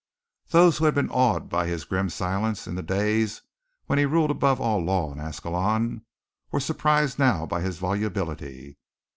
Those who had been awed by his grim silence in the days when he ruled above all law in Ascalon, were surprised now by his volubility.